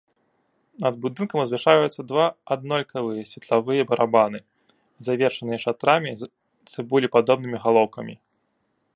Над будынкам узвышаюцца два аднолькавыя светлавыя барабаны, завершаныя шатрамі з цыбулепадобнымі галоўкамі.